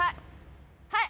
はい！